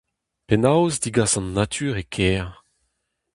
Penaos degas an natur e kêr ?